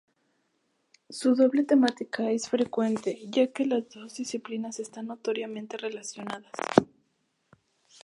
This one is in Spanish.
Su doble temática es frecuente ya que las dos disciplinas están notoriamente relacionadas.